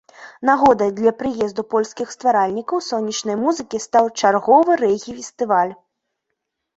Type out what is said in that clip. Нагодай для прыезду польскіх стваральнікаў сонечнай музыкі стаў чарговы рэгі-фестываль.